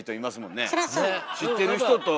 知ってる人と。